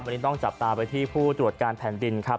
วันนี้ต้องจับตาไปที่ผู้ตรวจการแผ่นดินครับ